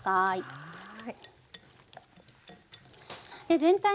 はい。